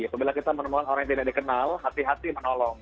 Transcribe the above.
apabila kita menemukan orang yang tidak dikenal hati hati menolong